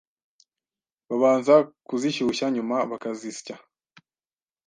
babanza kuzishyushya nyuma bakazisya